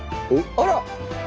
あら。